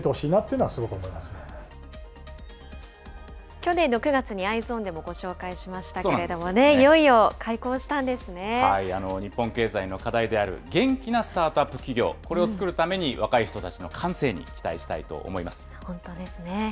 去年の９月にＥｙｅｓｏｎでもご紹介しましたけれどもね、日本経済の課題である元気なスタートアップ企業、これを作るために若い人たちの感性に期待し本当ですね。